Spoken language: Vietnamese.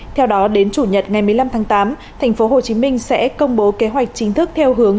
theo đó đến chủ nhật ngày một mươi năm tháng tám thành phố hồ chí minh sẽ công bố kế hoạch chính thức theo hướng